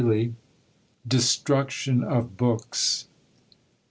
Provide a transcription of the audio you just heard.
] DESTRUCTION OF BOOKS.